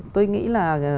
tôi nghĩ là